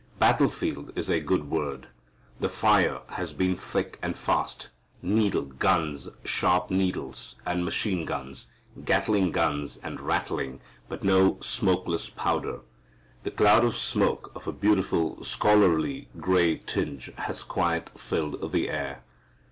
Battle field is a good word. The fire has been thick and fast, needle guns sharp needles and machine guns Gatling guns and rattling but no smokeless powder. The cloud of smoke of a beautiful scholarly gray tinge has quite filled the air.